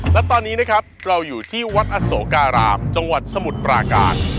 และตอนนี้นะครับเราอยู่ที่วัดอโสการามจังหวัดสมุทรปราการ